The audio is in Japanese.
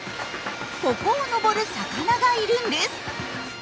ここを登る魚がいるんです。